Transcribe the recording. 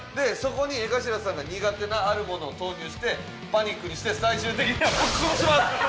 そこに江頭さんが苦手なあるものを投入してパニックにして最終的にはぶっ殺します！